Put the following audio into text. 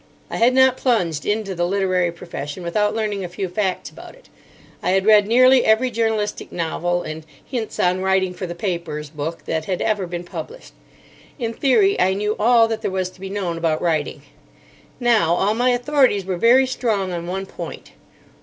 I had not plunged into the literary profession without learning a few facts about it. I had read nearly every journalistic novel and "Hints on Writing for the Papers" book that had ever been published. In theory I knew all that there was to be known about writing. Now, all my authorities were very strong on one point.